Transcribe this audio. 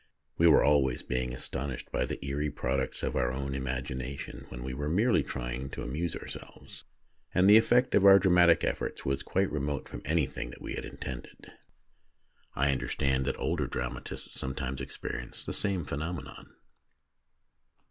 We were always being A REPERTORY THEATRE 43 astonished by the eerie products of our own imagination when we were merely trying to amuse ourselves ; and the effect of our dramatic efforts was quite remote from any thing that we had intended. I understand that older dramatists sometimes experience the same phenomenon.